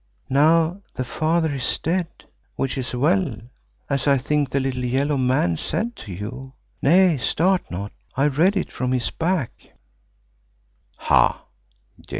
Now the father is dead, which is well, as I think the little yellow man said to you—nay, start not, I read it from his back [Ha!